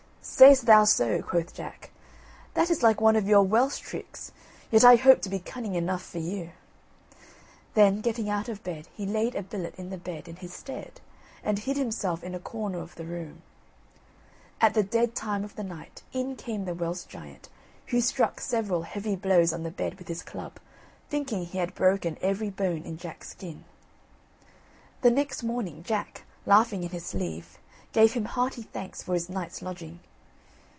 "Say'st thou so," quoth Jack; "that is like one of your Welsh tricks, yet I hope to be cunning enough for you." Then, getting out of bed, he laid a billet in the bed in his stead, and hid himself in a corner of the room. At the dead time of the night in came the Welsh giant, who struck several heavy blows on the bed with his club, thinking he had broken every bone in Jack's skin. The next morning Jack, laughing in his sleeve, gave him hearty thanks for his night's lodging.